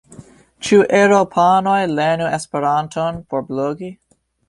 Ĉu eŭropanoj lernu Esperanton por blogi?